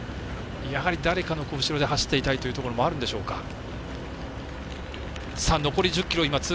やはり誰かの後ろで走っていたいというところもあるんでしょうか。